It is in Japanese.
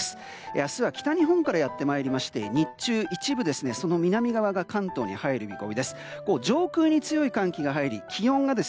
明日は北日本からやってきて日中一部でその南側が関東に入る見込みです。